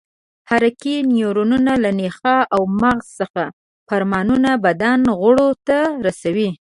حرکي نیورونونه له نخاع او مغز څخه فرمانونه بدن غړو ته رسوي.